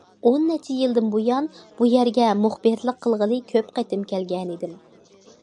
ئون نەچچە يىلدىن بۇيان، بۇ يەرگە مۇخبىرلىق قىلغىلى كۆپ قېتىم كەلگەنىدىم.